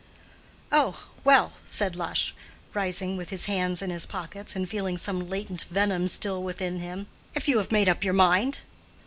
"Oh, well," said Lush, rising with his hands in his pockets, and feeling some latent venom still within him, "if you have made up your mind!